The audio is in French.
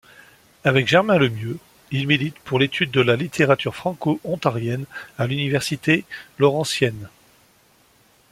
Avec Germain Lemieux, il milite pour l'étude de la littérature franco-ontarienne à l'Université Laurentienne.